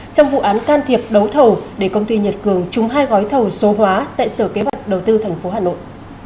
trong vụ án can thiệp đấu thầu để công ty nhật cường trúng hai gói thầu số hóa tại sở kế hoạch đầu tư tp hà nội